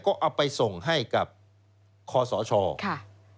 ก็เอาไปส่งให้กับคอสชค่ะ